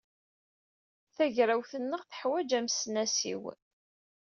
Tagrawt-nneɣ teḥwaj amesnasiw.